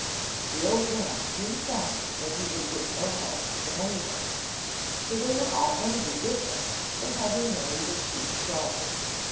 The old man soon found that he would get no help from anybody, for they were all angry with him for having married a chief's daughter.